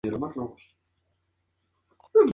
Es una "shinigami" de gran categoría y abuela de Rinne.